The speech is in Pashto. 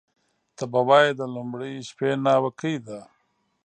ته به وایې د لومړۍ شپې ناوکۍ ده